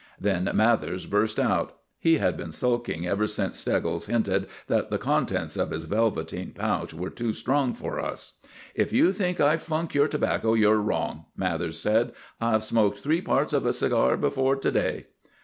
Then Mathers burst out. He had been sulking ever since Steggles hinted that the contents of his velveteen pouch were too strong for us. "If you think I funk your tobacco you're wrong," Mathers said. "I've smoked three parts of a cigar before to day."